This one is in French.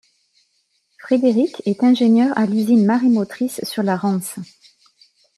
Frédéric est ingénieur à l'usine marémotrice sur la Rance.